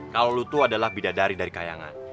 kalo lo tuh adalah bidadari dari kayangan